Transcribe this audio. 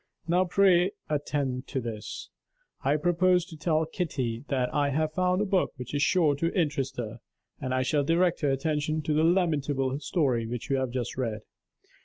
Now pray attend to this: I propose to tell Kitty that I have found a book which is sure to interest her; and I shall direct her attention to the lamentable story which you have just read.